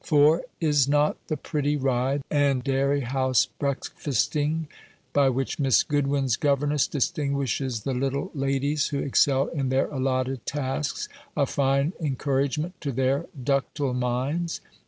For, is not the pretty ride, and dairy house breakfasting, by which Miss Goodwin's governess distinguishes the little ladies who excel in their allotted tasks, a fine encouragement to their ductile minds?